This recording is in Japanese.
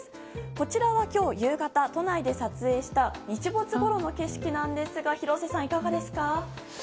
こちらは、今日夕方都内で撮影した日没ごろの景色なんですが廣瀬さん、いかがですか？